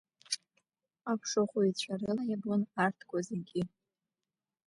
Аԥшыхәҩцәа рыла иабон арҭқәа зегьы.